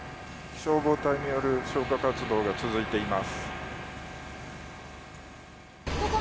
消防隊による消火活動が続いています。